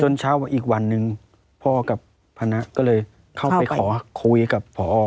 เช้าอีกวันหนึ่งพ่อกับคณะก็เลยเข้าไปขอคุยกับพอ